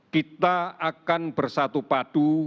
kita akan bersatu padu